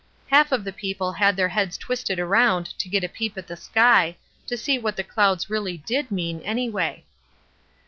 Half of the people had their heads twisted around to get a peep at the sky, to see what the clouds really did mean, anyway.